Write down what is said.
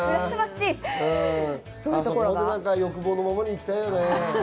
欲望のままに生きたいよね。